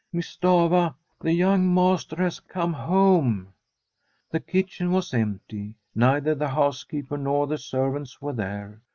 * Miss Stafva, the young master has come home !' The kitchen was empty; neither the house keeper nor the servants were there.